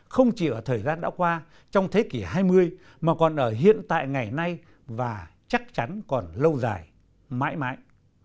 không chỉ ở thời gian đã qua trong thế kỷ hai mươi mà còn ở hiện tại ngày nay và chắc chắn còn lâu dài mãi mãi